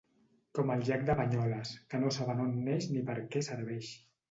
Com el llac de Banyoles, que no saben on neix ni per què serveix.